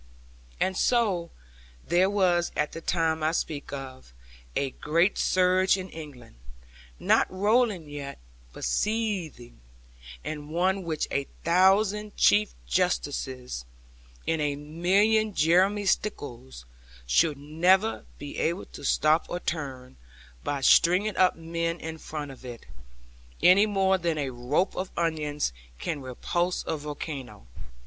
And so there was at the time I speak of, a great surge in England, not rolling yet, but seething; and one which a thousand Chief Justices, and a million Jeremy Stickles, should never be able to stop or turn, by stringing up men in front of it; any more than a rope of onions can repulse a volcano.